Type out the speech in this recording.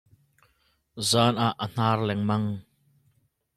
Zaan ah a hnar lengmang.